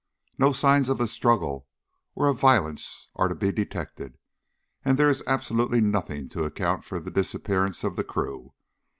No signs of a struggle or of violence are to be detected, and there is absolutely nothing to account for the disappearance of the crew.